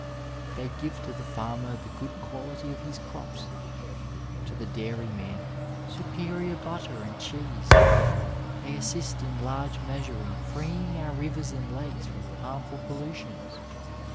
They give to the farmer the good quality of his crops, to the dairyman superior butter and cheese ; they assist in large measure in freeing our rivers and lakes from harmful pollutions.